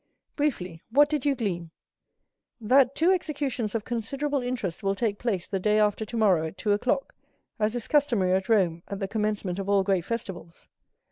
"Briefly, what did you learn?" "That two executions of considerable interest will take place the day after tomorrow at two o'clock, as is customary at Rome at the commencement of all great festivals.